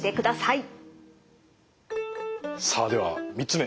さあでは３つ目。